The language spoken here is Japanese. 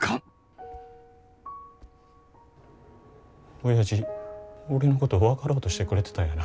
おやじ俺のこと分かろうとしてくれてたんやな。